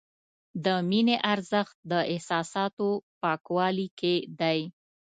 د مینې ارزښت د احساساتو پاکوالي کې دی.